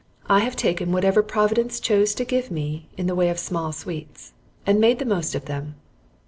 I have taken whatever Providence chose to give me in the way of small sweets, and made the most of them.